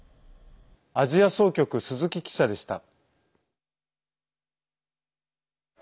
アジア総局、鈴木記者でした。